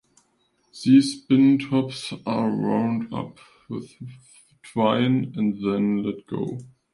These spin tops are wound up with twine and then let go.